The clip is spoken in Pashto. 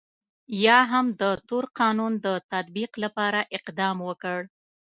یا هم د تور قانون د تطبیق لپاره اقدام وکړ.